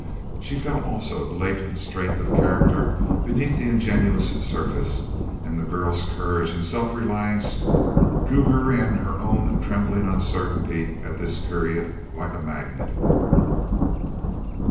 She felt also the latent strength of character beneath the ingenuous surface, and the girl's courage and self reliance drew her in her own trembling uncertainty at this period, like a magnet.